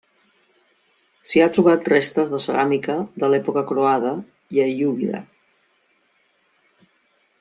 S'hi ha trobat restes de ceràmica de l'època croada i aiúbida.